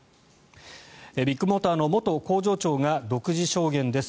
ビッグモーターの元工場長が独自証言です。